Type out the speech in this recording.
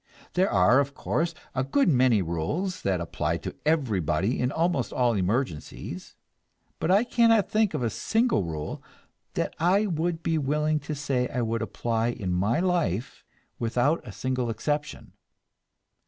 There are, of course, a good many rules that apply to everybody in almost all emergencies, but I cannot think of a single rule that I would be willing to say I would apply in my life without a single exception.